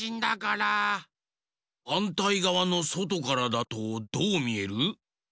はんたいがわのそとからだとどうみえる？